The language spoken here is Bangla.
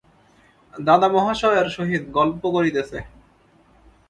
দাদামহাশয়ের সহিত গল্প করিতেছ!